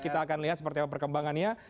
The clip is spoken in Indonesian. kita akan lihat seperti apa perkembangannya